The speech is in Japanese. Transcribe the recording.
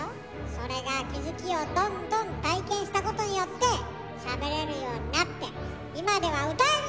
それが気付きをどんどん体験したことによってしゃべれるようになって今では歌えるようにもなった。